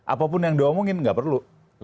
apapun yang diomongin nggak perlu